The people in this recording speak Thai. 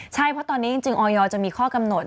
ใช่เพราะตอนนี้จริงออยจะมีข้อกำหนด